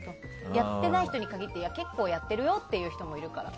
やってない人に限っていや、結構やってるよ？って言う人もいるから。